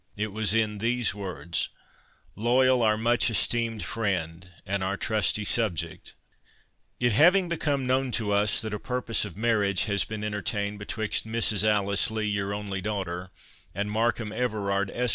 It was in these words:— "LOYAL OUR MUCH ESTEEMED FRIEND, AND OUR TRUSTY SUBJECT,—"It having become known to us that a purpose of marriage has been entertained betwixt Mrs. Alice Lee, your only daughter, and Markham Everard, Esq.